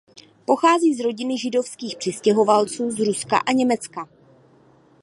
Pochází z rodiny židovských přistěhovalců z Ruska a Německa.